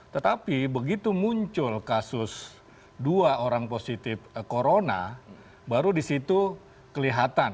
tetapi begitu muncul kasus dua orang positif corona baru disitu kelihatan